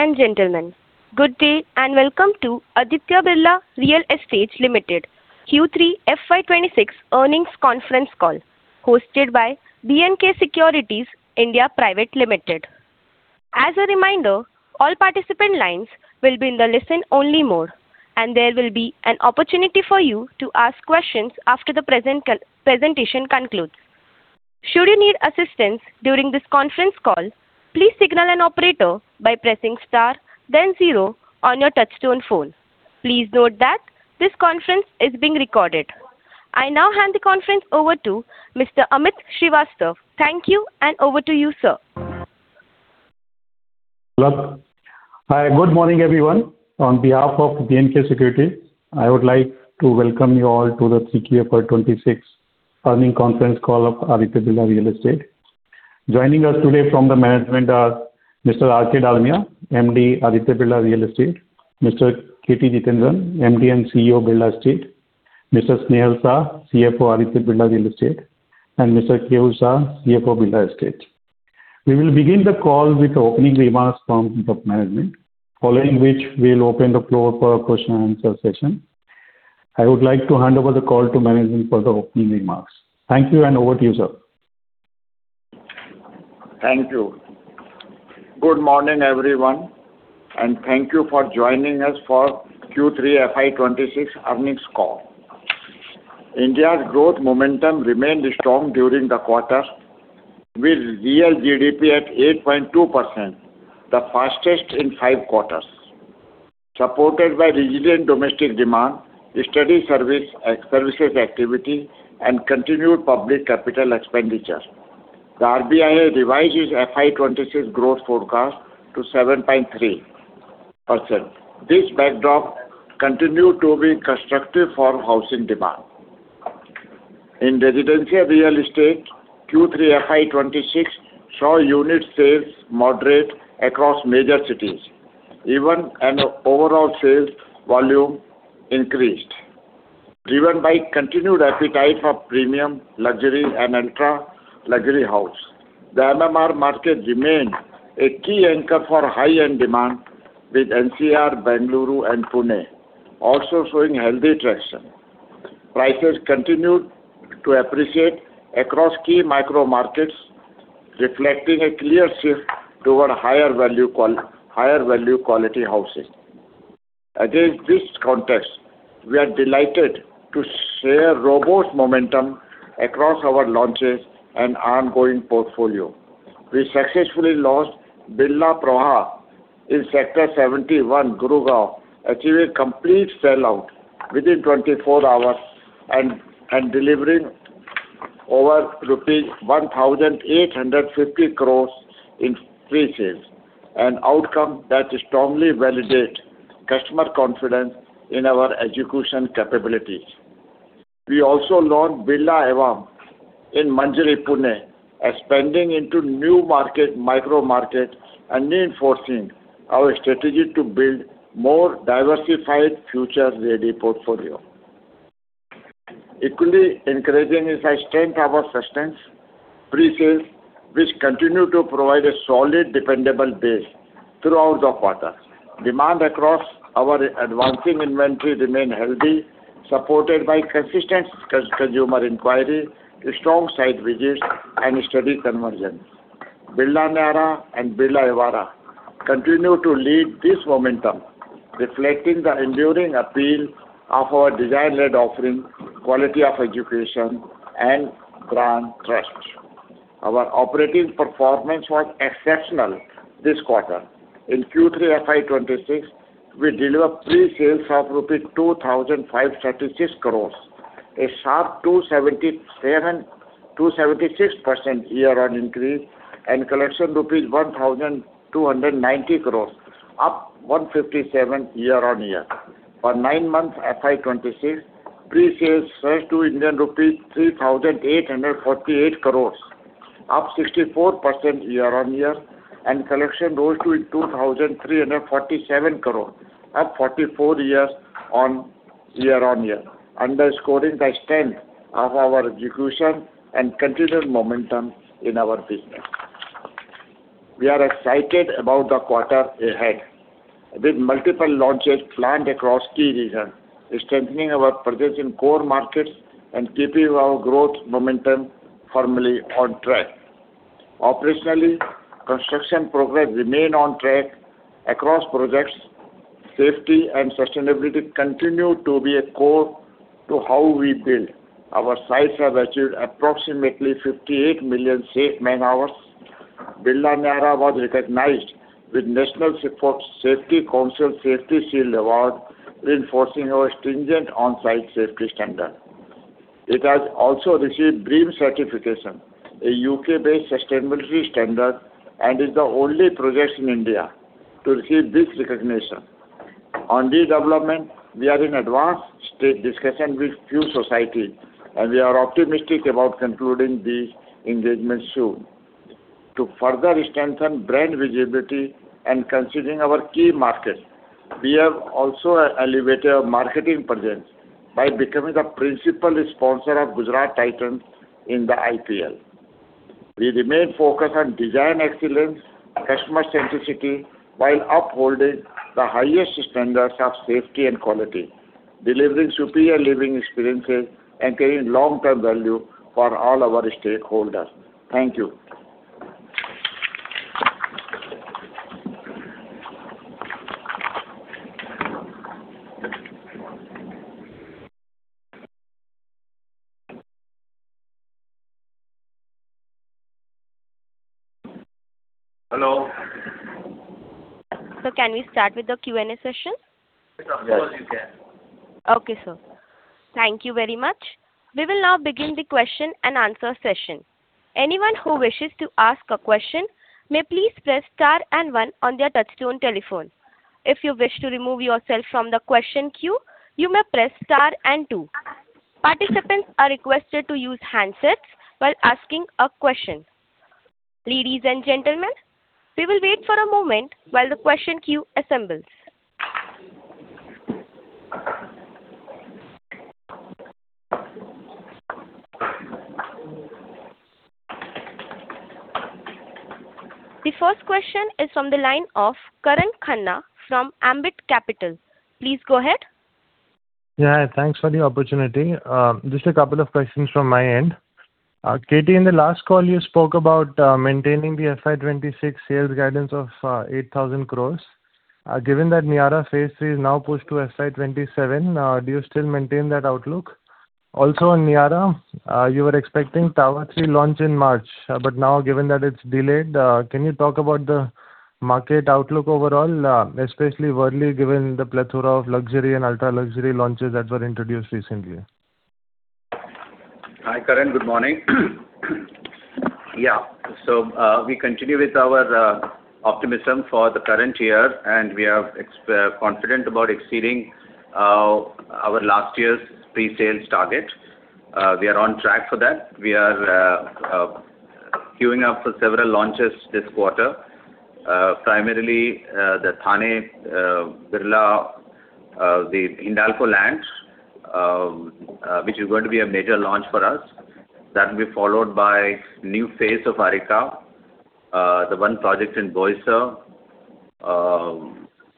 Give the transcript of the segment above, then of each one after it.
Ladies and gentlemen, good day and welcome to Aditya Birla Real Estate Limited Q3 FY26 Earnings Conference Call, hosted by B&K Securities India Private Limited. As a reminder, all participant lines will be in the listen-only mode, and there will be an opportunity for you to ask questions after the presentation concludes. Should you need assistance during this conference call, please signal an operator by pressing star, then zero on your touch-tone phone. Please note that this conference is being recorded. I now hand the conference over to Mr. Amit Srivastava. Thank you, and over to you, sir. Hello. Hi, good morning, everyone. On behalf of B&K Securities, I would like to welcome you all to the Q3 FY26 earnings conference call of Aditya Birla Real Estate. Joining us today from the management are Mr. R. K. Dalmia, MD, Aditya Birla Real Estate; Mr. K. T. Jithendran, MD and CEO Birla Estates; Mr. Snehal Shah, CFO Aditya Birla Real Estate; and Mr. K. U. Shah, CFO Birla Estates. We will begin the call with the opening remarks from the management, following which we will open the floor for a question-and-answer session. I would like to hand over the call to management for the opening remarks. Thank you, and over to you, sir. Thank you. Good morning, everyone, and thank you for joining us for Q3 FY26 earnings call. India's growth momentum remained strong during the quarter, with real GDP at 8.2%, the fastest in five quarters. Supported by resilient domestic demand, steady services activity, and continued public capital expenditure, the RBI has revised its FY26 growth forecast to 7.3%. This backdrop continued to be constructive for housing demand. In residential real estate, Q3 FY26 saw unit sales moderate across major cities, even as overall sales volume increased. Driven by continued appetite for premium, luxury, and ultra-luxury houses, the MMR market remained a key anchor for high-end demand, with NCR, Bengaluru, and Pune also showing healthy traction. Prices continued to appreciate across key micro-markets, reflecting a clear shift toward higher-value quality housing. Against this context, we are delighted to share robust momentum across our launches and ongoing portfolio. We successfully launched Birla Praha in Sector 71, Gurugram, achieving complete sell-out within 24 hours and delivering over rupees 1,850 crores in pre-sales, an outcome that strongly validates customer confidence in our execution capabilities. We also launched Birla Awam in Manjri, Pune, expanding into new micro-markets and reinforcing our strategy to build a more diversified future-ready portfolio. Equally encouraging is our strength: our first-time pre-sales, which continue to provide a solid, dependable base throughout the quarter. Demand across our advancing inventory remained healthy, supported by consistent consumer inquiry, strong site visits, and steady conversions. Birla Niyaara and Birla Alokya continue to lead this momentum, reflecting the enduring appeal of our design-led offering, quality of education, and brand trust. Our operating performance was exceptional this quarter. In Q3 FY26, we delivered pre-sales of rupees 2,536 crores, a sharp 276% year-on-year increase, and collected INR 1,290 crores, up 157% year-on-year. For nine months of FY26, pre-sales surged to INR 3,848 crores, up 64% year-on-year, and collections rose to 2,347 crores, up 44% year-on-year, underscoring the strength of our execution and continued momentum in our business. We are excited about the quarter ahead, with multiple launches planned across key regions, strengthening our presence in core markets and keeping our growth momentum firmly on track. Operationally, construction progress remains on track across projects. Safety and sustainability continue to be a core to how we build. Our sites have achieved approximately 58 million safe man-hours. Birla Niyaara was recognized with the National Safety Council of India Safety Shield Award, reinforcing our stringent on-site safety standards. It has also received BREEAM certification, a UK-based sustainability standard, and is the only project in India to receive this recognition. On development, we are in advanced discussion with a few societies, and we are optimistic about concluding these engagements soon. To further strengthen brand visibility and considering our key markets, we have also elevated our marketing presence by becoming the principal sponsor of Gujarat Titans in the IPL. We remain focused on design excellence and customer centricity while upholding the highest standards of safety and quality, delivering superior living experiences and creating long-term value for all our stakeholders. Thank you. Hello. Can we start with the Q&A session? Yes, of course you can. Okay, sir. Thank you very much. We will now begin the question-and-answer session. Anyone who wishes to ask a question may please press star and one on their touch-tone telephone. If you wish to remove yourself from the question queue, you may press star and two. Participants are requested to use handsets while asking a question. Ladies and gentlemen, we will wait for a moment while the question queue assembles. The first question is from the line of Karan Khanna from Ambit Capital. Please go ahead. Yeah, thanks for the opportunity. Just a couple of questions from my end. K.T., in the last call, you spoke about maintaining the FY26 sales guidance of 8,000 crores. Given that Niyaara Phase 3 is now pushed to FY27, do you still maintain that outlook? Also, Niyaara, you were expecting Tower C launch in March, but now, given that it's delayed, can you talk about the market outlook overall, especially worldwide given the plethora of luxury and ultra-luxury launches that were introduced recently? Hi, Karan. Good morning. Yeah, so we continue with our optimism for the current year, and we are confident about exceeding our last year's pre-sales target. We are on track for that. We are queuing up for several launches this quarter, primarily the Thane Birla, the Hindalco land, which is going to be a major launch for us. That will be followed by a new phase of Arika, the one project in Bhosari,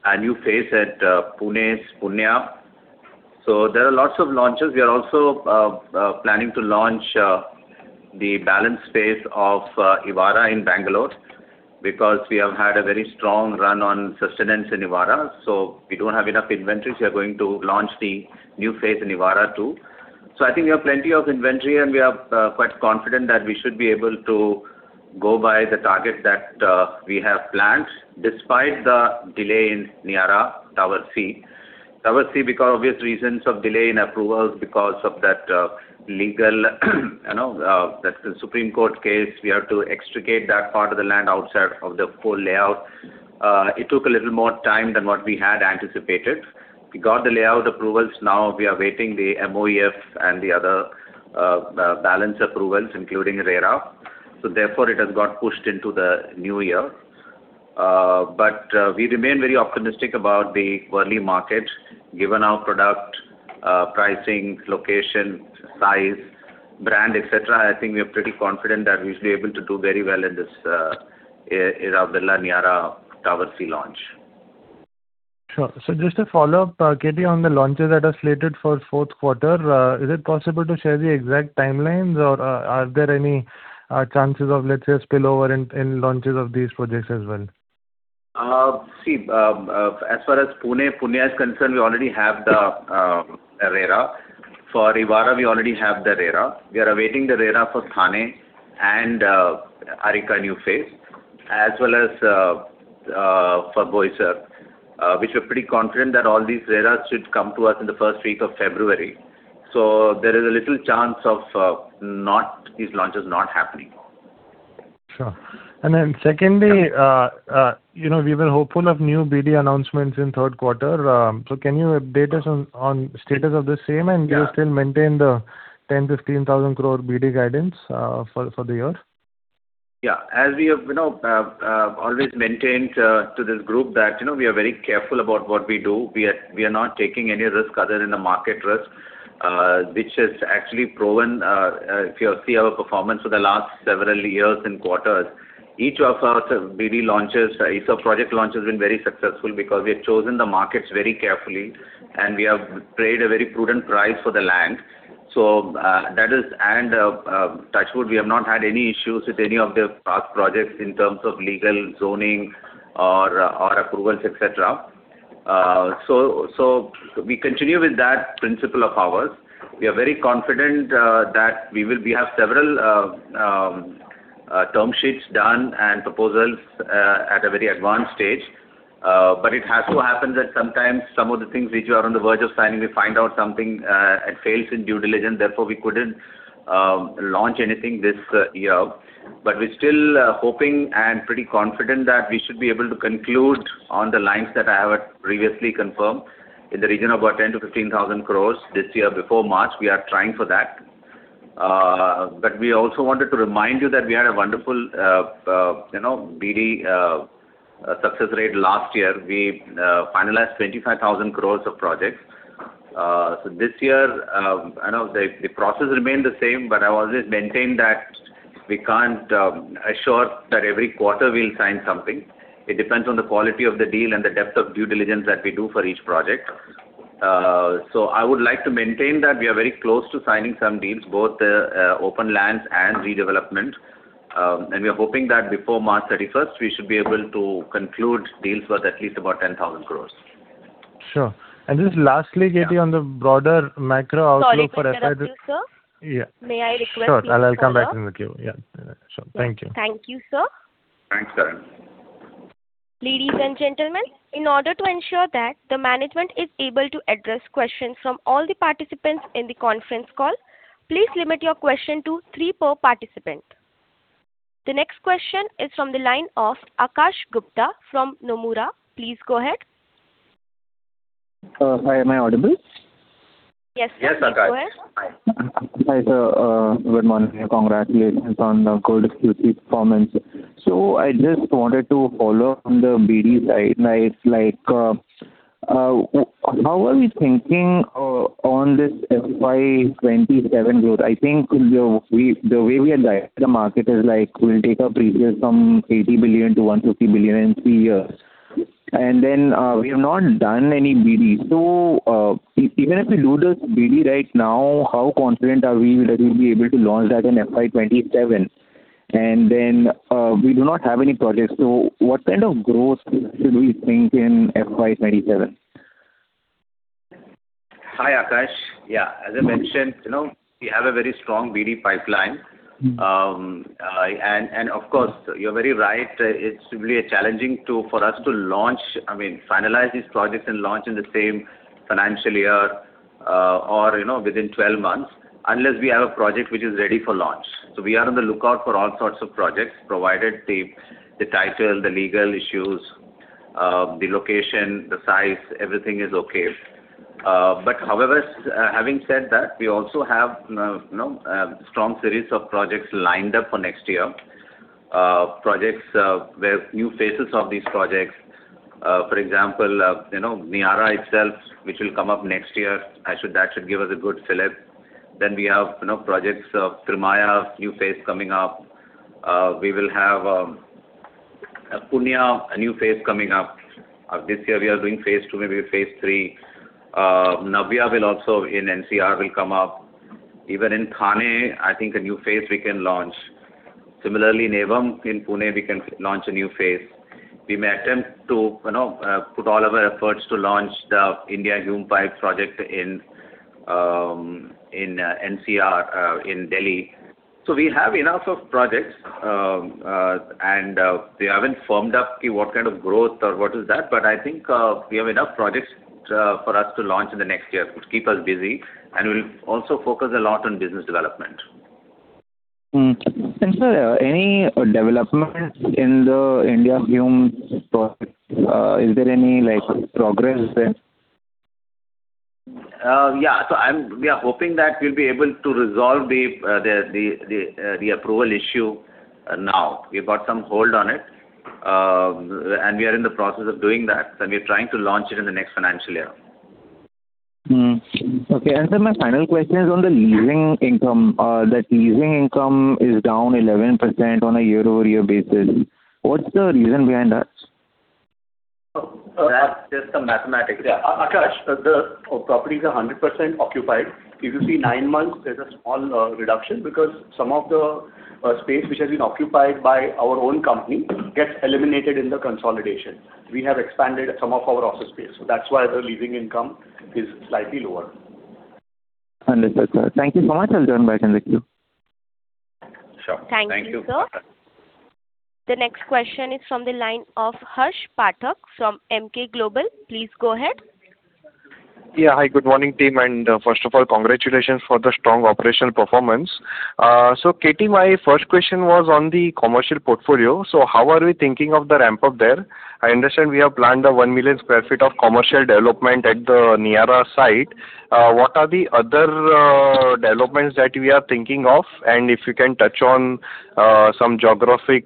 a new phase at Pune's Punya. So there are lots of launches. We are also planning to launch the balance phase of Evara in Bengaluru because we have had a very strong run on sales in Evara. So we don't have enough inventory. We are going to launch the new phase in Evara too. So I think we have plenty of inventory, and we are quite confident that we should be able to go by the target that we have planned, despite the delay in Niyaara Tower C. Tower C, because of obvious reasons of delay in approvals, because of that legal, that Supreme Court case, we had to extricate that part of the land outside of the full layout. It took a little more time than what we had anticipated. We got the layout approvals. Now we are awaiting the MoEF and the other balance approvals, including RERA. So therefore, it has got pushed into the new year. But we remain very optimistic about the Worli market, given our product pricing, location, size, brand, etc. I think we are pretty confident that we should be able to do very well in this Birla Niyaara Tower C launch. Sure. So just a follow-up, KT, on the launches that are slated for the fourth quarter. Is it possible to share the exact timelines, or are there any chances of, let's say, a spillover in launches of these projects as well? See, as far as Pune is concerned, we already have the RERA. For Evara, we already have the RERA. We are awaiting the RERA for Thane and Arika, new phase, as well as for Punya, which we are pretty confident that all these RERAs should come to us in the first week of February. There is a little chance of these launches not happening. Sure. And then secondly, we were hopeful of new BD announcements in the third quarter. So can you update us on the status of the same, and do you still maintain the 10,000-15,000 crore BD guidance for the year? Yeah, as we have always maintained to this group that we are very careful about what we do. We are not taking any risk other than the market risk, which has actually proven if you see our performance for the last several years and quarters. Each of our BD launches, each of our project launches has been very successful because we have chosen the markets very carefully, and we have paid a very prudent price for the land. So that is, and touch wood, we have not had any issues with any of the past projects in terms of legal zoning or approvals, etc. So we continue with that principle of ours. We are very confident that we have several term sheets done and proposals at a very advanced stage. But it has to happen that sometimes some of the things which we are on the verge of signing, we find out something and fail in due diligence. Therefore, we couldn't launch anything this year. We're still hoping and pretty confident that we should be able to conclude on the lines that I have previously confirmed in the region of about 10,000-15,000 crores this year before March. We are trying for that. We also wanted to remind you that we had a wonderful BD success rate last year. We finalized 25,000 crores of projects. This year, the process remained the same, but I always maintain that we can't assure that every quarter we'll sign something. It depends on the quality of the deal and the depth of due diligence that we do for each project. I would like to maintain that we are very close to signing some deals, both open lands and redevelopment. We are hoping that before March 31st, we should be able to conclude deals worth at least about 10,000 crores. Sure. Just lastly, KT, on the broader macro outlook for FY26. Sorry, can I ask you, sir? May I request? Sure. I'll come back in the queue. Yeah. Sure. Thank you. Thank you, sir. Thanks, Karan. Ladies and gentlemen, in order to ensure that the management is able to address questions from all the participants in the conference call, please limit your question to three per participant. The next question is from the line of Akash Gupta from Nomura. Please go ahead. Hi, am I audible? Yes, sir. Yes, Akash. Please go ahead. Hi, sir. Good morning. Congratulations on the gold execution performance. So I just wanted to follow up on the BD side. How are we thinking on this FY27 growth? I think the way we had guided the market is we'll take a pre-sale from 80 billion to 150 billion in three years. And then we have not done any BD. So even if we do this BD right now, how confident are we that we'll be able to launch that in FY27? And then we do not have any projects. So what kind of growth should we think in FY27? Hi, Akash. Yeah, as I mentioned, we have a very strong BD pipeline. And of course, you're very right. It's really challenging for us to launch, I mean, finalize these projects and launch in the same financial year or within 12 months unless we have a project which is ready for launch. So we are on the lookout for all sorts of projects, provided the title, the legal issues, the location, the size, everything is okay. But however, having said that, we also have a strong series of projects lined up for next year, projects where new phases of these projects. For example, Niyaara itself, which will come up next year, that should give us a good fillip. Then we have projects of Trimaya, new phase coming up. We will have Pune, a new phase coming up. This year, we are doing phase two, maybe phase three. Navya will also, in NCR, will come up. Even in Thane, I think a new phase we can launch. Similarly, Awam in Pune, we can launch a new phase. We may attempt to put all our efforts to launch the India Hume Pipe project in NCR in Delhi. So we have enough of projects, and we haven't firmed up what kind of growth or what is that. But I think we have enough projects for us to launch in the next year, which keep us busy, and we'll also focus a lot on business development. Thanks. Any developments in the India Hume Pipe project? Is there any progress there? Yeah. So we are hoping that we'll be able to resolve the approval issue now. We've got some hold on it, and we are in the process of doing that. And we're trying to launch it in the next financial year. Okay. And then my final question is on the leasing income. That leasing income is down 11% on a year-over-year basis. What's the reason behind that? That's just the mathematics. Yeah. Akash, the property is 100% occupied. If you see nine months, there's a small reduction because some of the space which has been occupied by our own company gets eliminated in the consolidation. We have expanded some of our office space. So that's why the leasing income is slightly lower. 100%. Thank you so much. I'll join back in the queue. Sure. Thank you, sir. The next question is from the line of Harsh Pathak from Emkay Global. Please go ahead. Yeah. Hi, good morning, team. First of all, congratulations for the strong operational performance. KT, my first question was on the commercial portfolio. How are we thinking of the ramp-up there? I understand we have planned 1 million sq ft of commercial development at the Niyaara site. What are the other developments that we are thinking of? And if you can touch on some geographic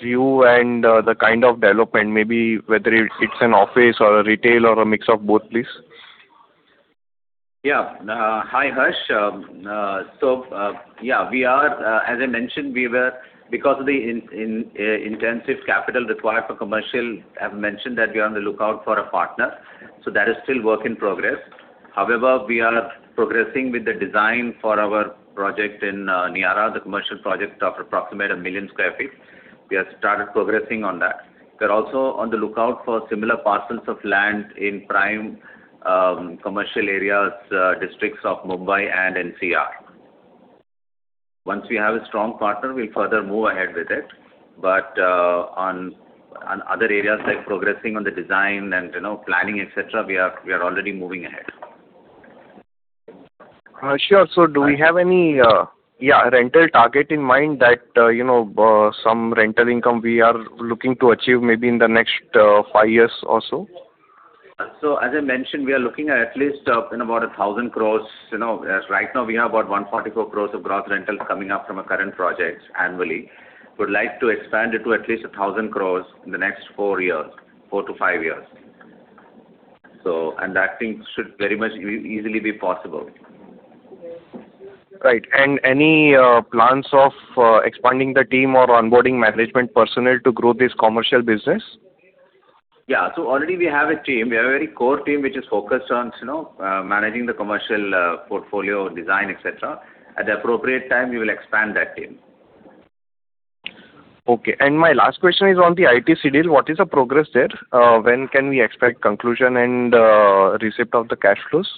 view and the kind of development, maybe whether it's an office or a retail or a mix of both, please. Yeah. Hi, Harsh. So yeah, as I mentioned, because of the intensive capital required for commercial, I've mentioned that we are on the lookout for a partner. So that is still a work in progress. However, we are progressing with the design for our project in Niyaara, the commercial project of approximately 1 million sq ft. We have started progressing on that. We are also on the lookout for similar parcels of land in prime commercial areas, districts of Mumbai and NCR. Once we have a strong partner, we'll further move ahead with it. But on other areas, like progressing on the design and planning, etc., we are already moving ahead. Harsh, also, do we have any, yeah, rental target in mind that some rental income we are looking to achieve maybe in the next five years or so? As I mentioned, we are looking at least about 1,000 crores. Right now, we have about 144 crores of gross rentals coming up from a current project annually. We would like to expand it to at least 1,000 crores in the next four years, four to five years. That thing should very much easily be possible. Right. And any plans of expanding the team or onboarding management personnel to grow this commercial business? Yeah. So already we have a team. We have a very core team which is focused on managing the commercial portfolio design, etc. At the appropriate time, we will expand that team. Okay. My last question is on the ITC deal. What is the progress there? When can we expect conclusion and receipt of the cash flows?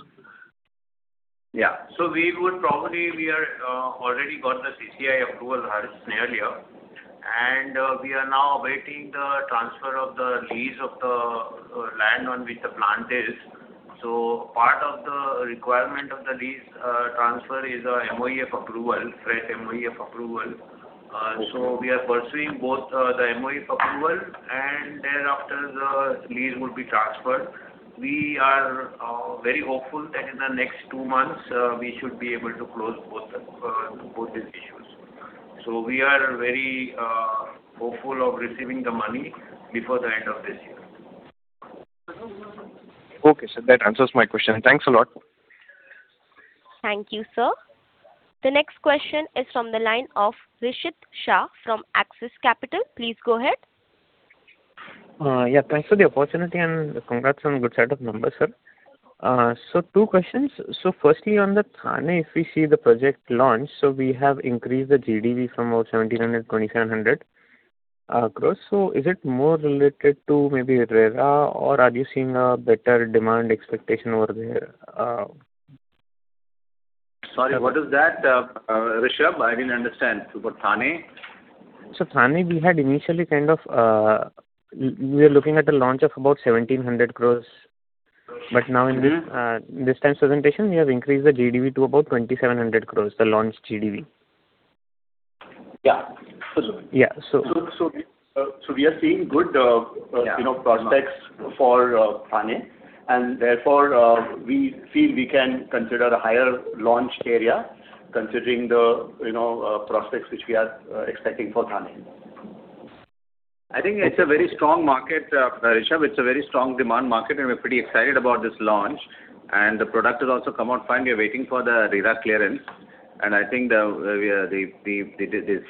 Yeah. So we would probably—we have already got the CCI approval earlier, and we are now awaiting the transfer of the lease of the land on which the plant is. So part of the requirement of the lease transfer is an MoEF approval, fresh MoEF approval. So we are pursuing both the MoEF approval, and thereafter, the lease would be transferred. We are very hopeful that in the next two months, we should be able to close both these issues. So we are very hopeful of receiving the money before the end of this year. Okay. So that answers my question. Thanks a lot. Thank you, sir. The next question is from the line of Rishith Shah from Axis Capital. Please go ahead. Yeah. Thanks for the opportunity, and congrats on a good set of numbers, sir. So two questions. So firstly, on the Thane, if we see the project launch, so we have increased the GDV from about 1,700 crores-2,700 crores. So is it more related to maybe RERA, or are you seeing a better demand expectation over there? Sorry, what is that, Rishith? I didn't understand. For Thane? So Thane, we had initially kind of, we were looking at a launch of about 1,700 crores. But now, in this time's presentation, we have increased the GDV to about INR 2,700 crores, the launch GDV. We are seeing good prospects for Thane. Therefore, we feel we can consider a higher launch area, considering the prospects which we are expecting for Thane. I think it's a very strong market, Rishith. It's a very strong demand market, and we're pretty excited about this launch. The product has also come out fine. We are waiting for the RERA clearance. I think the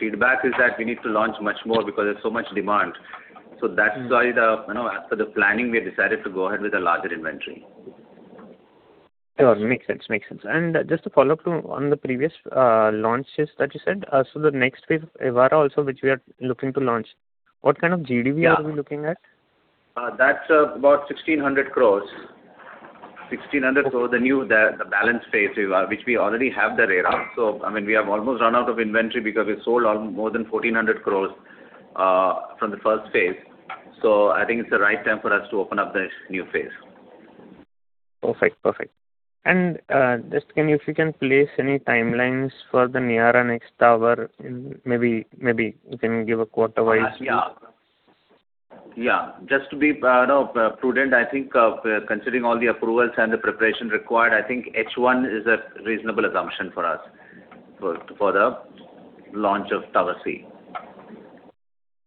feedback is that we need to launch much more because there's so much demand. So that's why, after the planning, we have decided to go ahead with a larger inventory. Sure. Makes sense. Makes sense. And just to follow up on the previous launches that you said, so the next wave of Evara also, which we are looking to launch, what kind of GDV are we looking at? That's about 1,600 crores. 1,600 crores is the new balance phase we have, which we already have the RERA. So I mean, we have almost run out of inventory because we sold more than 1,400 crores from the first phase. So I think it's the right time for us to open up the new phase. Perfect. Perfect. And just if you can place any timelines for the Niyaara next tower, maybe you can give a quarter-wise? Yeah. Yeah. Just to be prudent, I think considering all the approvals and the preparation required, I think H1 is a reasonable assumption for us for the launch of Tower C.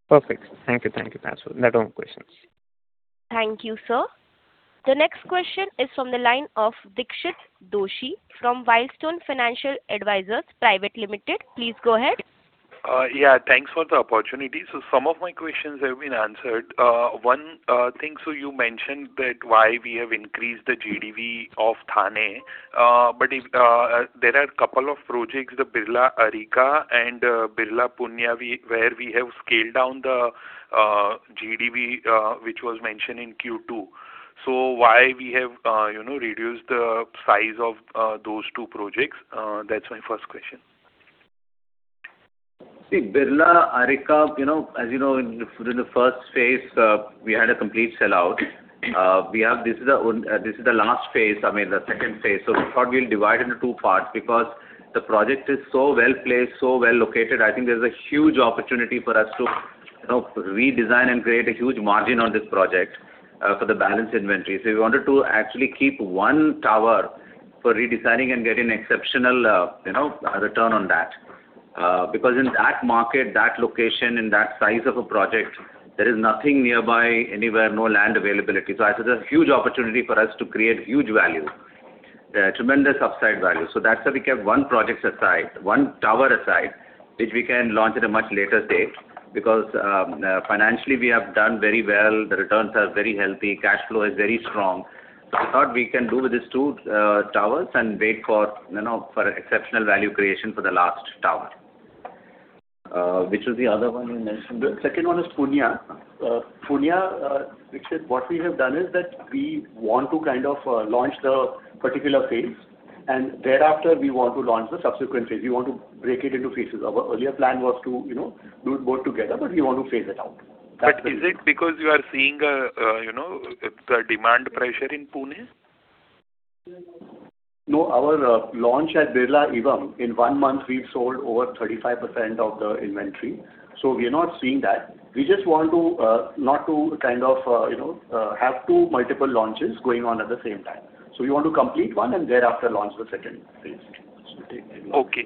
Perfect. Thank you. Thank you, Akash. There are no more questions. Thank you, sir. The next question is from the line of Dixit Doshi from Whitestone Financial Advisors Private Limited. Please go ahead. Yeah. Thanks for the opportunity. So some of my questions have been answered. One thing, so you mentioned that why we have increased the GDV of Thane. But there are a couple of projects, the Birla Arika and Birla Vanya, where we have scaled down the GDV, which was mentioned in Q2. So why we have reduced the size of those two projects? That's my first question. See, Birla Arika, as you know, in the first phase, we had a complete sellout. This is the last phase, I mean, the second phase. So we thought we'll divide into two parts because the project is so well placed, so well located. I think there's a huge opportunity for us to redesign and create a huge margin on this project for the balance inventory. So we wanted to actually keep one tower for redesigning and get an exceptional return on that. Because in that market, that location, in that size of a project, there is nothing nearby anywhere, no land availability. So I said there's a huge opportunity for us to create huge value, tremendous upside value. So that's why we kept one project aside, one tower aside, which we can launch at a much later date because financially, we have done very well. The returns are very healthy. Cash flow is very strong. So we thought we can do with these two towers and wait for exceptional value creation for the last tower. Which was the other one you mentioned? The second one is Pune. Pune, which is what we have done is that we want to kind of launch the particular phase, and thereafter, we want to launch the subsequent phase. We want to break it into phases. Our earlier plan was to do it both together, but we want to phase it out. But is it because you are seeing the demand pressure in Pune? No. Our launch at Birla Awam, in one month, we've sold over 35% of the inventory. So we are not seeing that. We just want not to kind of have two multiple launches going on at the same time. So we want to complete one and thereafter launch the second phase. Okay.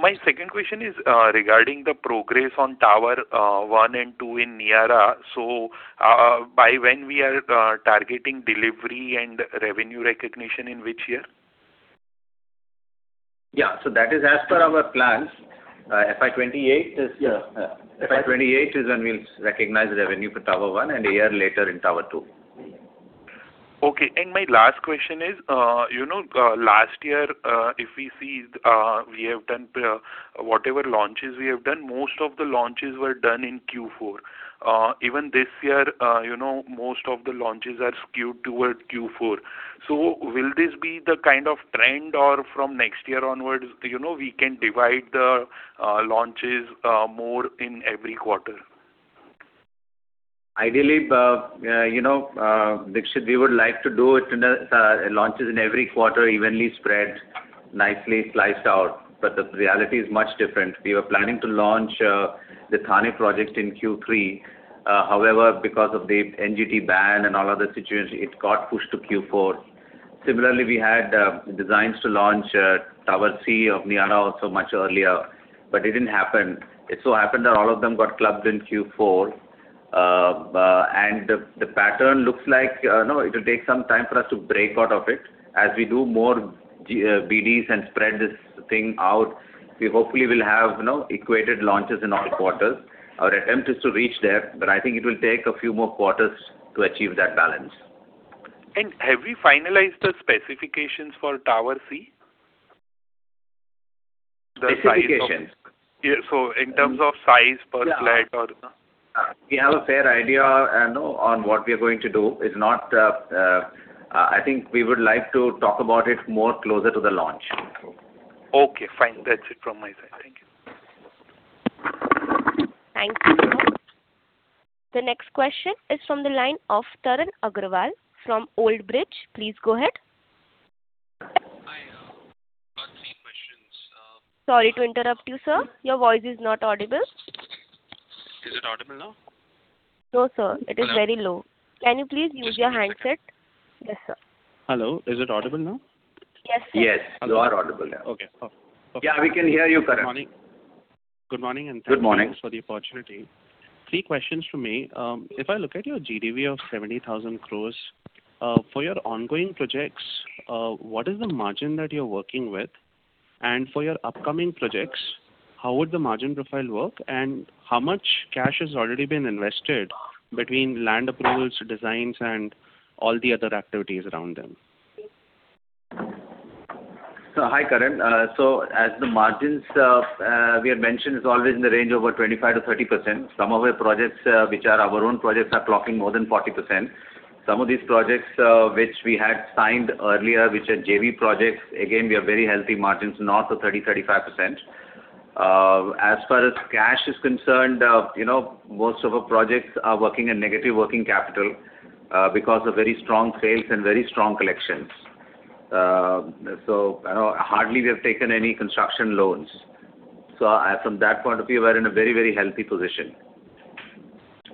My second question is regarding the progress on Tower 1 and 2 in Niyaara. So by when we are targeting delivery and revenue recognition in which year? Yeah. So that is as per our plans. FY28 is when we'll recognize revenue for Tower 1 and a year later in Tower 2. Okay. My last question is, last year, if we see we have done whatever launches we have done, most of the launches were done in Q4. Even this year, most of the launches are skewed toward Q4. Will this be the kind of trend, or from next year onwards, we can divide the launches more in every quarter? Ideally, Dixit, we would like to do launches in every quarter, evenly spread, nicely sliced out. But the reality is much different. We were planning to launch the Thane project in Q3. However, because of the NGT ban and all other situations, it got pushed to Q4. Similarly, we had designs to launch Tower C of Niyaara also much earlier, but it didn't happen. It so happened that all of them got clubbed in Q4. And the pattern looks like it will take some time for us to break out of it. As we do more BDs and spread this thing out, we hopefully will have equated launches in all quarters. Our attempt is to reach there, but I think it will take a few more quarters to achieve that balance. Have we finalized the specifications for Tower C? Specifications? So in terms of size per flat or? We have a fair idea on what we are going to do. I think we would like to talk about it more closer to the launch. Okay. Fine. That's it from my side. Thank you. Thank you so much. The next question is from the line of Taran Agrawal from Old Bridge. Please go ahead. Hi. I've got three questions. Sorry to interrupt you, sir. Your voice is not audible. Is it audible now? No, sir. It is very low. Can you please use your handset? Yes, sir. Hello. Is it audible now? Yes, sir. Yes. You are audible. Yeah. Okay. Okay. Yeah. We can hear you correctly. Good morning. Good morning and thanks for the opportunity. Three questions for me. If I look at your GDV of 70,000 crore, for your ongoing projects, what is the margin that you're working with? And for your upcoming projects, how would the margin profile work? And how much cash has already been invested between land approvals, designs, and all the other activities around them? Hi, Karan. So as the margins we have mentioned, it's always in the range of about 25%-30%. Some of our projects, which are our own projects, are clocking more than 40%. Some of these projects which we had signed earlier, which are JV projects, again, we have very healthy margins, north of 30%, 35%. As far as cash is concerned, most of our projects are working at negative working capital because of very strong sales and very strong collections. So hardly we have taken any construction loans. So from that point of view, we are in a very, very healthy position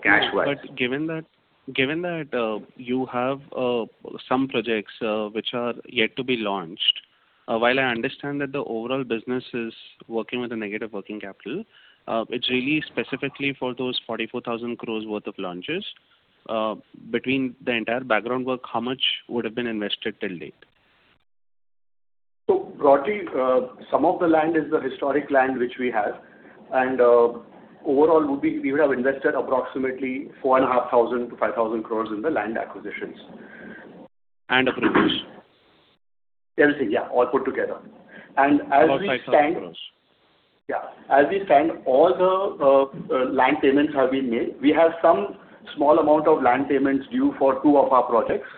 cash-wise. But given that you have some projects which are yet to be launched, while I understand that the overall business is working with a negative working capital, it's really specifically for those 44,000 crore worth of launches. Between the entire background work, how much would have been invested till date? Broadly, some of the land is the historic land which we have. Overall, we would have invested approximately 4,500 crores-5,000 crores in the land acquisitions and approvals. Everything. Yeah. All put together. And as we stand. ₹45,000 crores. Yeah. As we stand, all the land payments have been made. We have some small amount of land payments due for two of our projects,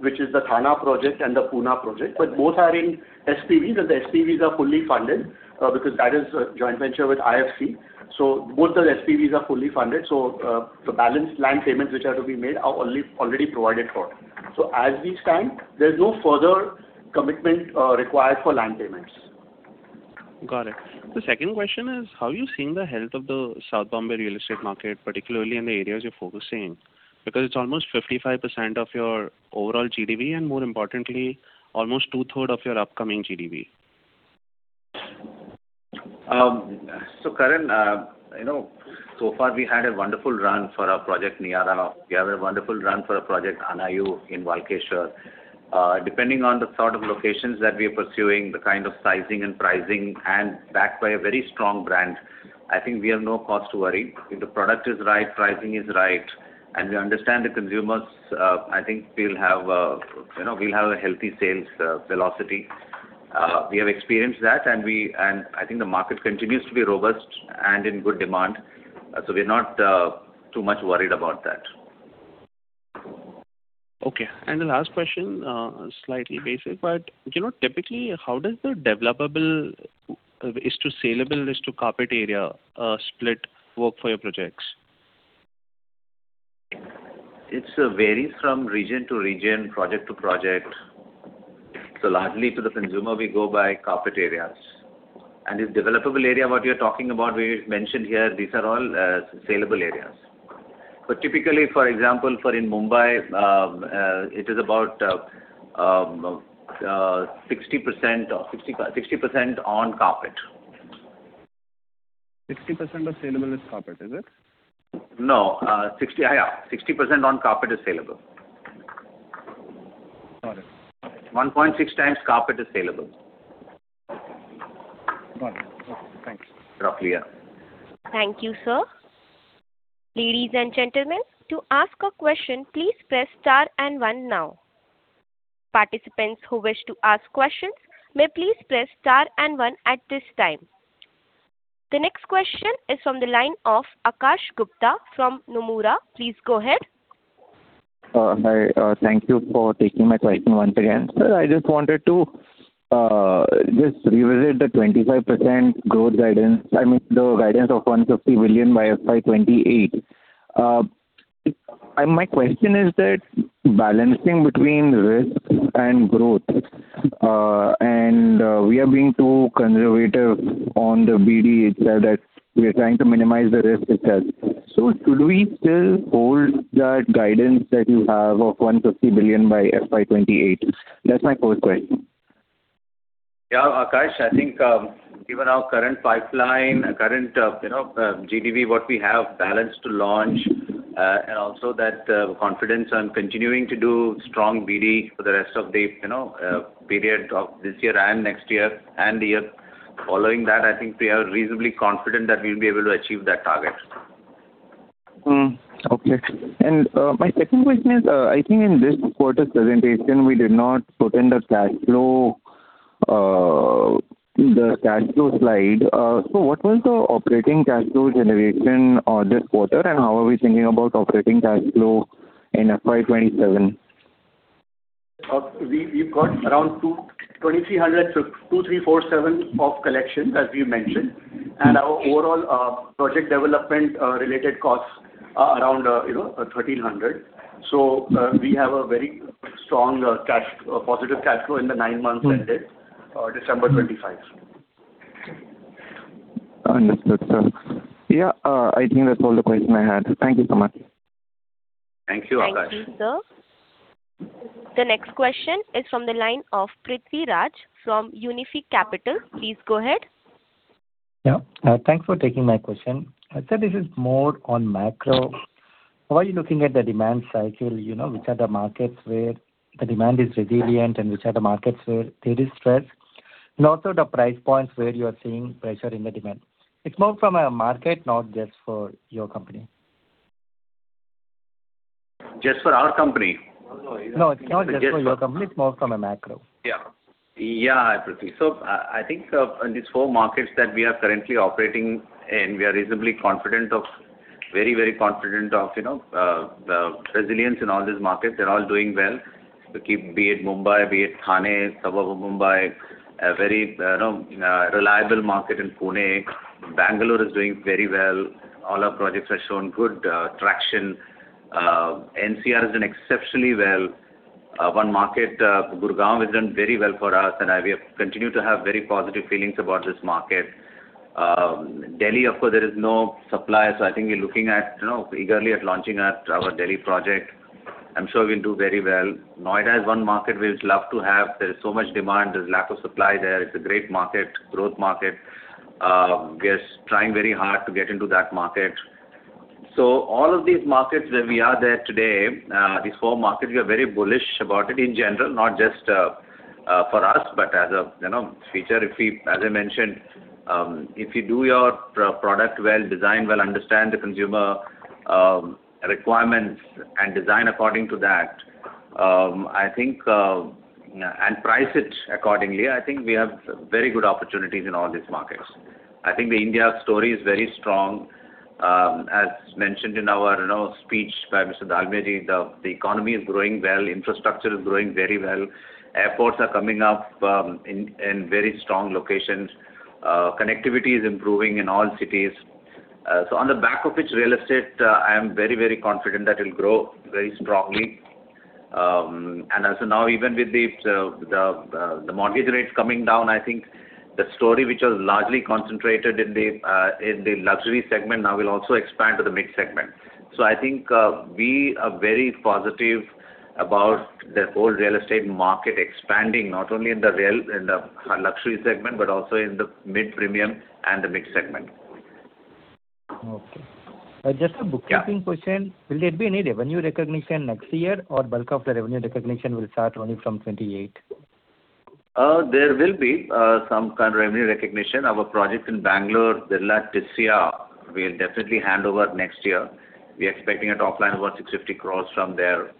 which is the Thane project and the Pune project. But both are in SPVs, and the SPVs are fully funded because that is a joint venture with IFC. So both the SPVs are fully funded. So the balance land payments which are to be made are already provided for. So as we stand, there's no further commitment required for land payments. Got it. The second question is, how are you seeing the health of the South Mumbai real estate market, particularly in the areas you're focusing? Because it's almost 55% of your overall GDV and, more importantly, almost two-thirds of your upcoming GDV. So Karan, so far, we had a wonderful run for our project Niyaara. We have a wonderful run for a project Teen Batti in Walkeshwar. Depending on the sort of locations that we are pursuing, the kind of sizing and pricing, and backed by a very strong brand, I think we have no cause to worry. If the product is right, pricing is right, and we understand the consumers, I think we'll have a healthy sales velocity. We have experienced that, and I think the market continues to be robust and in good demand. So we're not too much worried about that. Okay. And the last question, slightly basic, but typically, how does the developable is to saleable is to carpet area split work for your projects? It varies from region to region, project to project. So largely to the consumer, we go by carpet areas. And if developable area, what you're talking about, we mentioned here, these are all saleable areas. But typically, for example, for in Mumbai, it is about 60% on carpet. 60% of saleable is carpet, is it? No. Yeah. 60% on carpet is saleable. Got it. 1.6 times carpet is saleable. Got it. Okay. Thanks. Roughly, yeah. Thank you, sir. Ladies and gentlemen, to ask a question, please press star and one now. Participants who wish to ask questions, may please press star and one at this time. The next question is from the line of Akash Gupta from Nomura. Please go ahead. Hi. Thank you for taking my question once again. I just wanted to just revisit the 25% growth guidance. I mean, the guidance of 150 billion by FY28. My question is that balancing between risk and growth, and we are being too conservative on the BD itself that we are trying to minimize the risk itself. So should we still hold that guidance that you have of 150 billion by FY28? That's my first question. Yeah. Akash, I think given our current pipeline, current GDV, what we have balanced to launch, and also that confidence on continuing to do strong BD for the rest of the period of this year and next year and the year following that, I think we are reasonably confident that we'll be able to achieve that target. Okay. My second question is, I think in this quarter's presentation, we did not put in the cash flow, the cash flow slide. So what was the operating cash flow generation this quarter, and how are we thinking about operating cash flow in FI27? We've got around 2,300-2,347 of collections, as we mentioned. Our overall project development-related costs are around 1,300. We have a very strong positive cash flow in the nine months ended, December 25. Understood, sir. Yeah. I think that's all the questions I had. Thank you so much. Thank you, Akash. Thank you, sir. The next question is from the line of Prithviraj from Unifi Capital. Please go ahead. Yeah. Thanks for taking my question. I'd say this is more on macro. How are you looking at the demand cycle? Which are the markets where the demand is resilient and which are the markets where there is stress? And also the price points where you are seeing pressure in the demand. It's more from a market, not just for your company. Just for our company? No, it's not just for your company. It's more from a macro. Yeah. Yeah, Prithviraj. So I think in these four markets that we are currently operating in, we are reasonably confident of, very, very confident of the resilience in all these markets. They're all doing well. Be it Mumbai, be it Thane, suburb of Mumbai, a very reliable market in Pune. Bengaluru is doing very well. All our projects have shown good traction. NCR has done exceptionally well. One market, Gurugram, has done very well for us, and we have continued to have very positive feelings about this market. Delhi, of course, there is no supply. So I think we're looking eagerly at launching our Delhi project. I'm sure we'll do very well. Noida is one market we would love to have. There is so much demand. There's lack of supply there. It's a great market, growth market. We are trying very hard to get into that market. So all of these markets where we are there today, these four markets, we are very bullish about it in general, not just for us, but as a feature. As I mentioned, if you do your product well, design well, understand the consumer requirements, and design according to that, I think, and price it accordingly, I think we have very good opportunities in all these markets. I think the India story is very strong. As mentioned in our speech by Mr. R. K. Dalmia, the economy is growing well. Infrastructure is growing very well. Airports are coming up in very strong locations. Connectivity is improving in all cities. So on the back of which real estate, I am very, very confident that it'll grow very strongly. As of now, even with the mortgage rates coming down, I think the story which was largely concentrated in the luxury segment now will also expand to the mid-segment. I think we are very positive about the whole real estate market expanding, not only in the luxury segment, but also in the mid-premium and the mid-segment. Okay. Just a bookkeeping question. Will there be any revenue recognition next year, or bulk of the revenue recognition will start only from 2028? There will be some kind of revenue recognition. Our project in Bengaluru, Birla Tisya, we'll definitely hand over next year. We are expecting a top line of about 650 crores from there.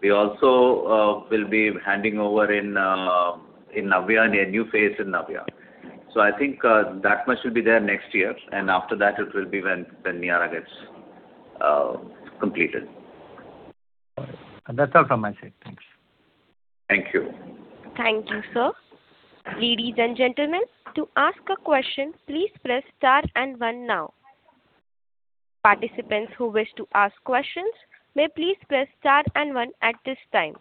We also will be handing over in Navya, in a new phase in Navya. So I think that much will be there next year. And after that, it will be when Niyaara gets completed. All right. That's all from my side. Thanks. Thank you. Thank you, sir. Ladies and gentlemen, to ask a question, please press star and one now. Participants who wish to ask questions, may please press star and one at this time.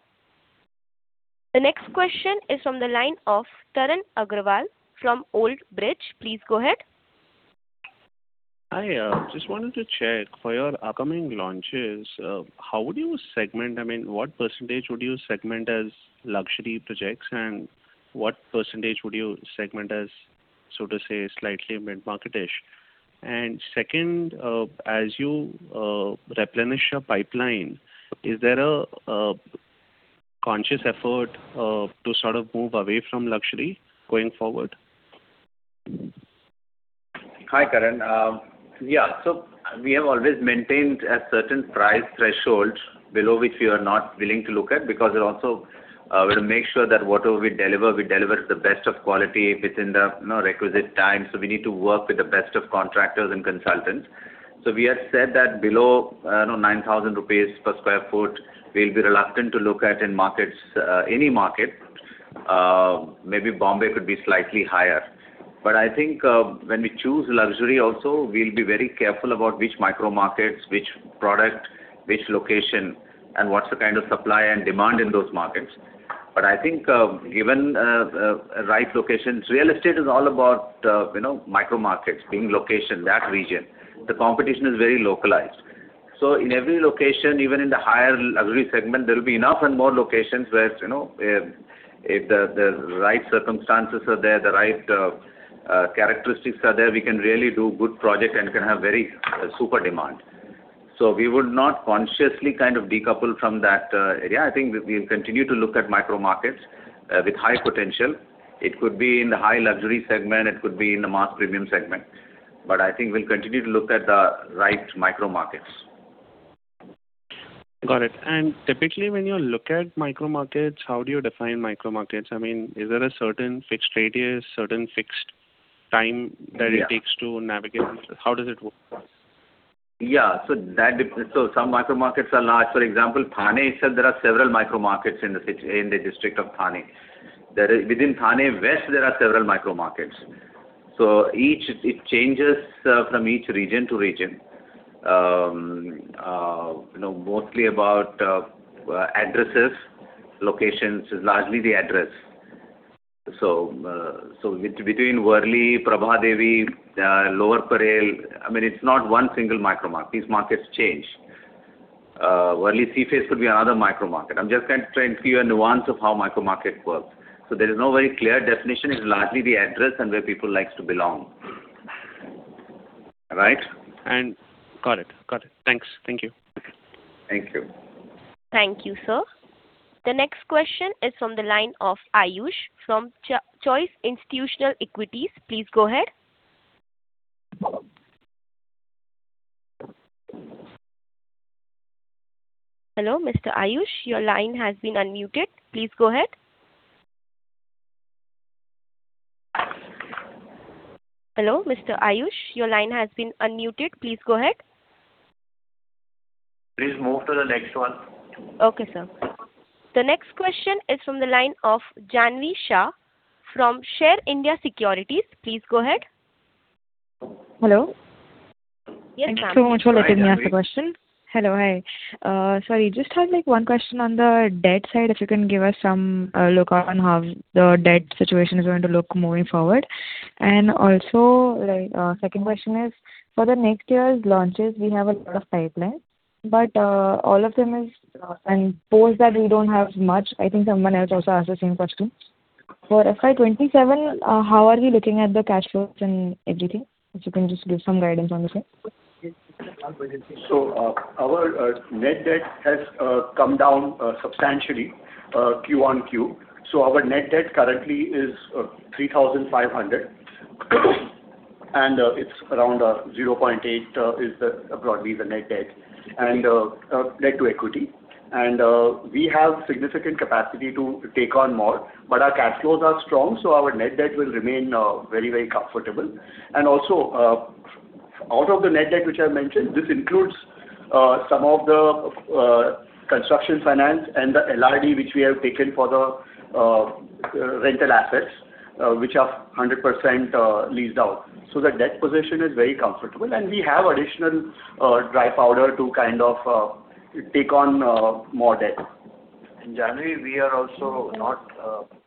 The next question is from the line of Taran Agrawal from Old Bridge. Please go ahead. Hi. Just wanted to check for your upcoming launches, how would you segment? I mean, what percentage would you segment as luxury projects, and what percentage would you segment as, so to say, slightly mid-market-ish? And second, as you replenish your pipeline, is there a conscious effort to sort of move away from luxury going forward? Hi, Karan. Yeah. So we have always maintained a certain price threshold below which we are not willing to look at because we also want to make sure that whatever we deliver, we deliver the best of quality within the requisite time. So we need to work with the best of contractors and consultants. So we have said that below 9,000 rupees per sq ft, we'll be reluctant to look at in any market. Maybe Bombay could be slightly higher. But I think when we choose luxury, also, we'll be very careful about which micro-markets, which product, which location, and what's the kind of supply and demand in those markets. But I think given the right locations, real estate is all about micro-markets being location, that region. The competition is very localized. So in every location, even in the higher luxury segment, there will be enough and more locations where if the right circumstances are there, the right characteristics are there, we can really do good projects and can have very super demand. So we would not consciously kind of decouple from that area. I think we'll continue to look at micro-markets with high potential. It could be in the high luxury segment. It could be in the mass premium segment. But I think we'll continue to look at the right micro-markets. Got it. Typically, when you look at micro-markets, how do you define micro-markets? I mean, is there a certain fixed radius, certain fixed time that it takes to navigate? How does it work? Yeah. So some micro-markets are large. For example, Thane, there are several micro-markets in the district of Thane. Within Thane West, there are several micro-markets. So it changes from each region to region, mostly about addresses. Locations is largely the address. So between Worli, Prabhadevi, Lower Parel, I mean, it's not one single micro-market. These markets change. Worli Sea Face could be another micro-market. I'm just trying to give you a nuance of how micro-market works. So there is no very clear definition. It's largely the address and where people like to belong. Right? Got it. Got it. Thanks. Thank you. Thank you. Thank you, sir. The next question is from the line of Ayush from Choice Institutional Equities. Please go ahead. Hello, Mr. Ayush. Your line has been unmuted. Please go ahead. Hello, Mr. Ayush. Your line has been unmuted. Please go ahead. Please move to the next one. Okay, sir. The next question is from the line of Janvi Shah from Share India Securities. Please go ahead. Hello. Yes, ma'am. Thank you so much for letting me ask the question. Hello. Hi. Sorry. Just have one question on the debt side, if you can give us some look on how the debt situation is going to look moving forward. And also, second question is, for the next year's launches, we have a lot of pipelines, but all of them is and post that we don't have much. I think someone else also asked the same question. For FY27, how are we looking at the cash flows and everything? If you can just give some guidance on the same. Our net debt has come down substantially QoQ. Our net debt currently is 3,500. It's around 0.8x, which is broadly the net debt to equity. We have significant capacity to take on more, but our cash flows are strong. Our net debt will remain very, very comfortable. Out of the net debt which I mentioned, this includes some of the construction finance and the LRD which we have taken for the rental assets, which are 100% leased out. The debt position is very comfortable. We have additional dry powder to kind of take on more debt. In January, we are also not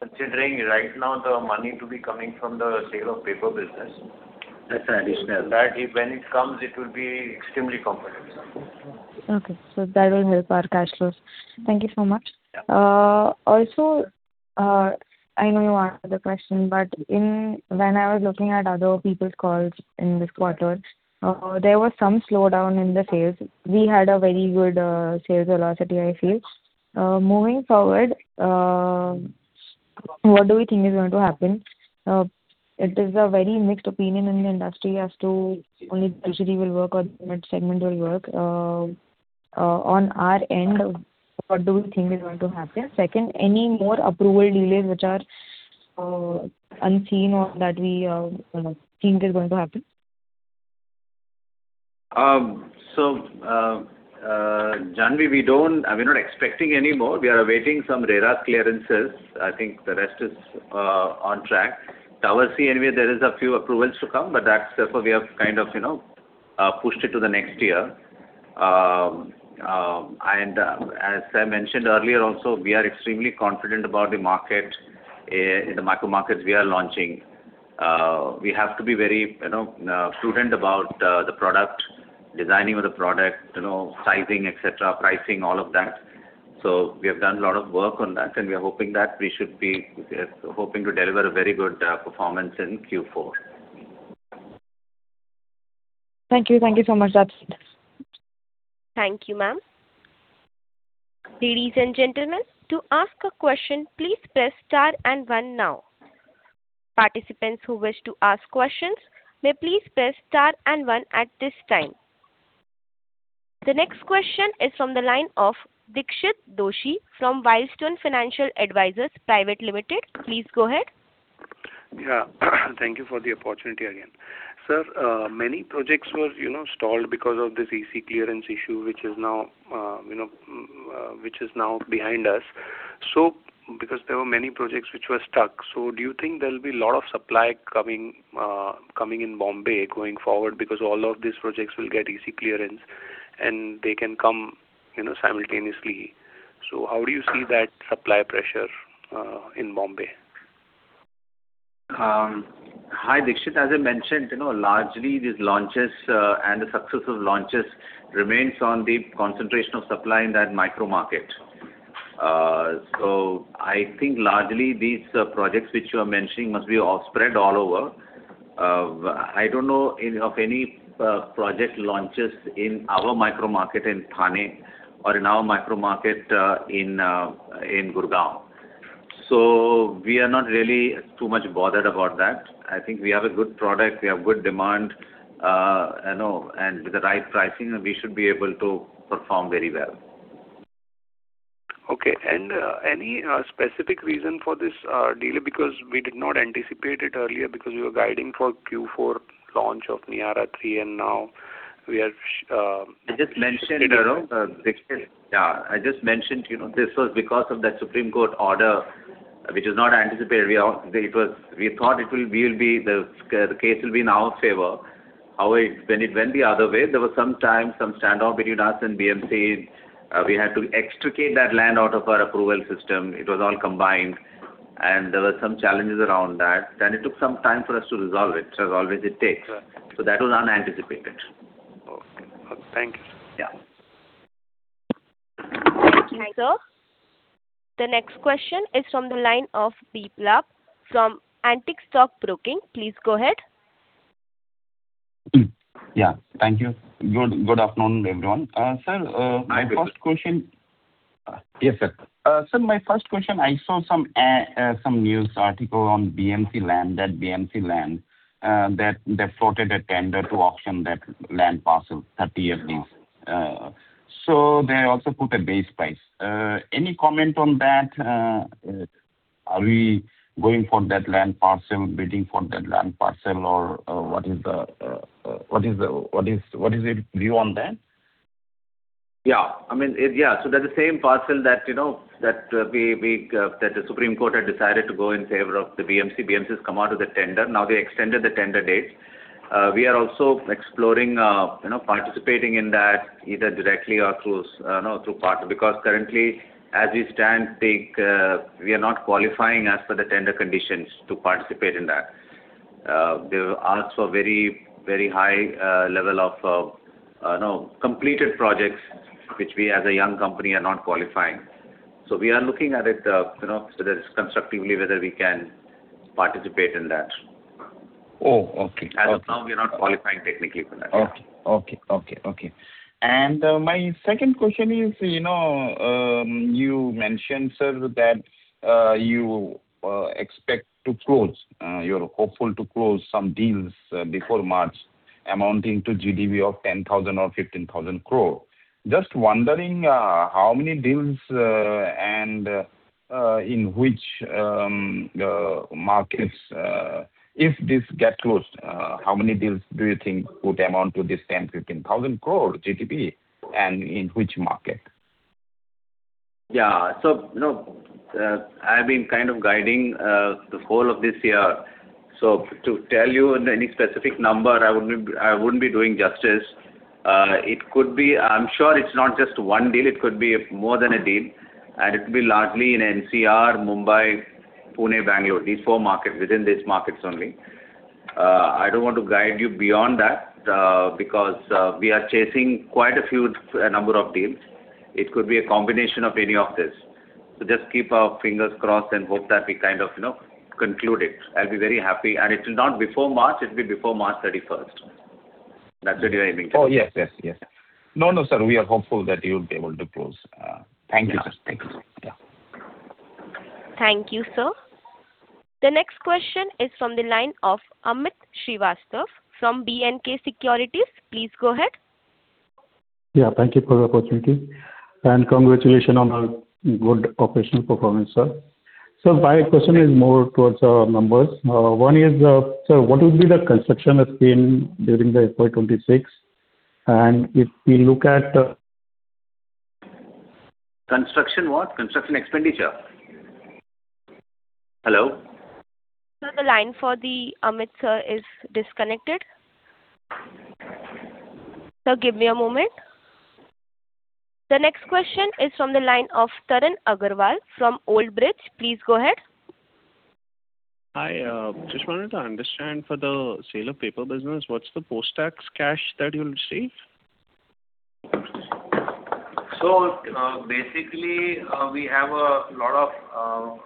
considering right now the money to be coming from the sale of paper business. That's an additional. So that when it comes, it will be extremely comfortable. Okay. So that will help our cash flows. Thank you so much. Also, I know you answered the question, but when I was looking at other people's calls in this quarter, there was some slowdown in the sales. We had a very good sales velocity, I feel. Moving forward, what do we think is going to happen? It is a very mixed opinion in the industry as to only the industry will work or segment will work. On our end, what do we think is going to happen? Second, any more approval delays which are unseen or that we think is going to happen? So Janvi, we are not expecting anymore. We are awaiting some RERA clearances. I think the rest is on track. Tower C, anyway, there are a few approvals to come, but that's therefore we have kind of pushed it to the next year. As I mentioned earlier, also, we are extremely confident about the market, the micro-markets we are launching. We have to be very prudent about the product, designing of the product, sizing, etc., pricing, all of that. So we have done a lot of work on that, and we are hoping that we should be hoping to deliver a very good performance in Q4. Thank you. Thank you so much. That's it. Thank you, ma'am. Ladies and gentlemen, to ask a question, please press star and one now. Participants who wish to ask questions, may please press star and one at this time. The next question is from the line of Dixit Doshi from Wildstone Financial Advisors Private Limited. Please go ahead. Yeah. Thank you for the opportunity again. Sir, many projects were stalled because of this EC clearance issue, which is now behind us. So because there were many projects which were stuck, so do you think there'll be a lot of supply coming in Bombay going forward because all of these projects will get EC clearance and they can come simultaneously? So how do you see that supply pressure in Bombay? Hi, Dixit. As I mentioned, largely these launches and the success of launches remains on the concentration of supply in that micro-market. So I think largely these projects which you are mentioning must be off-spread all over. I don't know of any project launches in our micro-market in Thane or in our micro-market in Gurugram. So we are not really too much bothered about that. I think we have a good product. We have good demand. And with the right pricing, we should be able to perform very well. Okay. Any specific reason for this delay? Because we did not anticipate it earlier because we were guiding for Q4 launch of Niyaara 3, and now we have just. I just mentioned. Dixit. Yeah. I just mentioned this was because of that Supreme Court order, which is not anticipated. We thought it will be the case will be in our favor. However, when it went the other way, there was some time, some standoff between us and BMC. We had to extricate that land out of our approval system. It was all combined. And there were some challenges around that. Then it took some time for us to resolve it, as always it takes. So that was unanticipated. Okay. Thank you. Thank you, sir. The next question is from the line of Biplab from Antique Stock Broking. Please go ahead. Yeah. Thank you. Good afternoon, everyone. Sir, my first question. Yes, sir. Sir, my first question, I saw some news article on BMC land, that they floated a tender to auction that land parcel, 30-year lease. So they also put a base price. Any comment on that? Are we going for that land parcel, bidding for that land parcel, or what is your view on that? Yeah. I mean, yeah. So that's the same parcel that the Supreme Court had decided to go in favor of the BMC. BMC has come out with a tender. Now they extended the tender date. We are also exploring participating in that either directly or through partner because currently, as we stand, we are not qualifying for the tender conditions to participate in that. They will ask for a very, very high level of completed projects, which we, as a young company, are not qualifying. So we are looking at it constructively whether we can participate in that. Oh, okay. As of now, we are not qualifying technically for that. Okay. Okay. Okay. Okay. And my second question is, you mentioned, sir, that you expect to close you're hopeful to close some deals before March amounting to GDV of 10,000 crore or 15,000 crore. Just wondering how many deals and in which markets, if these get closed, how many deals do you think would amount to this 10,000-15,000 crore GDV and in which market? Yeah. So I've been kind of guiding the whole of this year. So to tell you any specific number, I wouldn't be doing justice. It could be, I'm sure it's not just one deal. It could be more than a deal. And it could be largely in NCR, Mumbai, Pune, Bengaluru, these four markets within these markets only. I don't want to guide you beyond that because we are chasing quite a number of deals. It could be a combination of any of this. So just keep our fingers crossed and hope that we kind of conclude it. I'll be very happy. And it will not be before March. It will be before March 31st. That's what you're aiming to do. Oh, yes, yes, yes. No, no, sir. We are hopeful that you'll be able to close. Thank you, sir. Yes, sir. Thank you. Yeah. Thank you, sir. The next question is from the line of Amit Srivastava from B&K Securities. Please go ahead. Yeah. Thank you for the opportunity. Congratulations on the good operational performance, sir. Sir, my question is more toward our numbers. One is, sir, what would be the construction spend during the FY26? And if we look at. Construction what? Construction expenditure? Hello? Sir, the line for Amit, sir, is disconnected. Sir, give me a moment. The next question is from the line of Taran Agrawal from Old Bridge. Please go ahead. Hi, Jishwanath. I understand for the sale of paper business, what's the post-tax cash that you'll receive? So basically, we have a lot of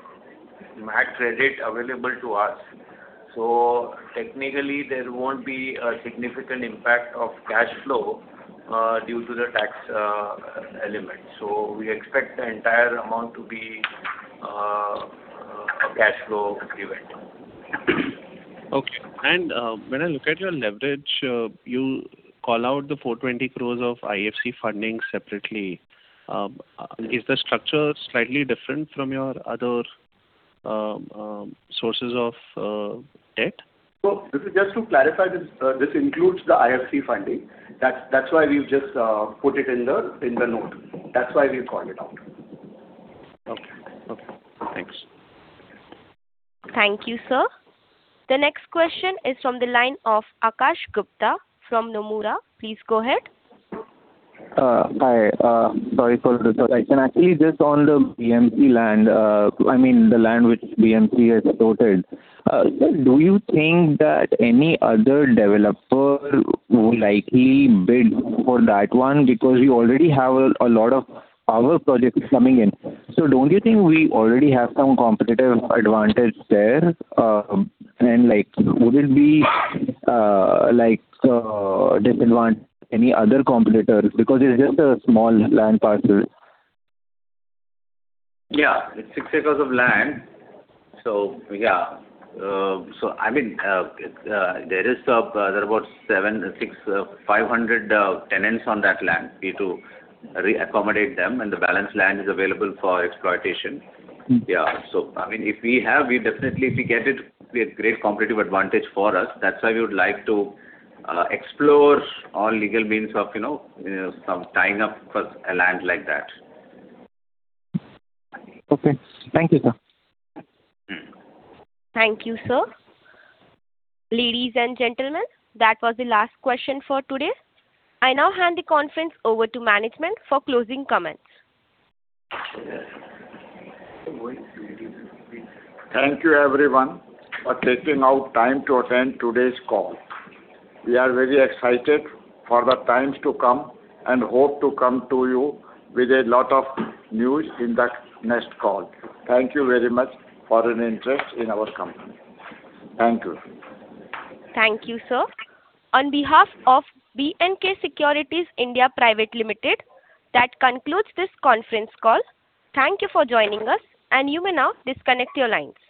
MAT credit available to us. So technically, there won't be a significant impact of cash flow due to the tax element. So we expect the entire amount to be a cash flow event. Okay. When I look at your leverage, you call out the 420 crore of IFC funding separately. Is the structure slightly different from your other sources of debt? Just to clarify, this includes the IFC funding. That's why we've just put it in the note. That's why we've called it out. Okay. Okay. Thanks. Thank you, sir. The next question is from the line of Akash Gupta from Nomura. Please go ahead. Actually, just on the BMC land, I mean, the land which BMC has floated, do you think that any other developer will likely bid for that one? Because we already have a lot of tower projects coming in. So don't you think we already have some competitive advantage there? And would it be a disadvantage to any other competitors? Because it's just a small land parcel. Yeah. It's 6 acres of land. So yeah. So I mean, there are about 500 tenants on that land. We need to re-accommodate them, and the balance land is available for exploitation. Yeah. So I mean, if we have, we definitely get it. We have great competitive advantage for us. That's why we would like to explore all legal means of some tying up for a land like that. Okay. Thank you, sir. Thank you, sir. Ladies and gentlemen, that was the last question for today. I now hand the conference over to management for closing comments. Thank you, everyone, for taking out time to attend today's call. We are very excited for the times to come and hope to come to you with a lot of news in the next call. Thank you very much for your interest in our company. Thank you. Thank you, sir. On behalf of B&K Securities India Private Limited, that concludes this conference call. Thank you for joining us, and you may now disconnect your lines.